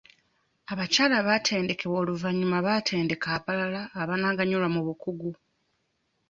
Abakyala abatendekeddwa oluvannyuma batendeka abalala abaganyulwa mu bukugu.